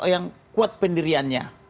yang kuat pendiriannya